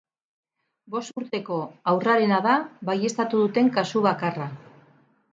Bost urteko haurrarena da baieztatu duten kasu bakarra.